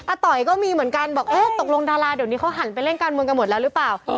ต่อยก็มีเหมือนกันบอกเอ๊ะตกลงดาราเดี๋ยวนี้เขาหันไปเล่นการเมืองกันหมดแล้วหรือเปล่า